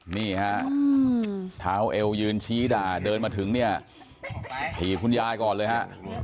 นี่ฮะเท้าเอวยืนชี้ด่าเดินมาถึงเนี่ยถีบคุณยายก่อนเลยฮะ